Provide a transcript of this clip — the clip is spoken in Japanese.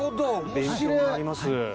勉強になります。